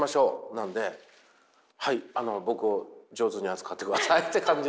なんではい僕を上手に扱ってくださいって感じで。